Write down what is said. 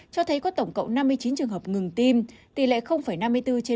cho thấy có tổng cộng năm mươi chín trường hợp ngừng tim tỷ lệ năm mươi bốn trên một trăm linh